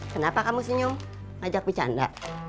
kenapa kamu senyum ajak bercanda